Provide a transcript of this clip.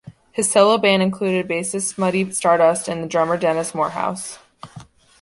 His solo band included bassist Muddy Stardust and drummer Dennis Morehouse.